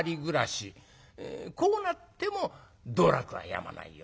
こうなっても道楽はやまないよ。